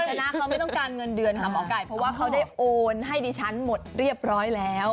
ชนะเขาไม่ต้องการเงินเดือนค่ะหมอไก่เพราะว่าเขาได้โอนให้ดิฉันหมดเรียบร้อยแล้ว